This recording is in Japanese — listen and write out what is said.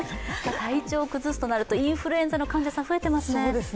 体調を崩すとなると、インフルエンザの患者さん、増えていますね。